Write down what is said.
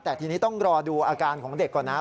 แต่ทีนี้ต้องรอดูอาการของเด็กก่อนนะครับ